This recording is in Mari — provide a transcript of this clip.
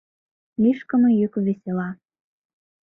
Лӱшкымӧ йӱк, весела...